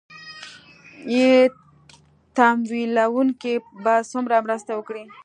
ې تمويلوونکي به څومره مرسته وکړي